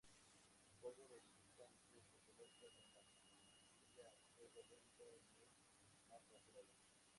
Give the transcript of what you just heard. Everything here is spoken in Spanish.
El polvo resultante se coloca con la mantequilla a fuego lento en una cacerola..